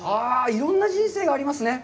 いろんな人生がありますね。